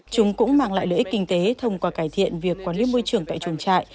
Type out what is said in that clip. chúng cũng mang lại lợi ích kinh tế thông qua cải thiện việc quản lý môi trường tại chuồng trại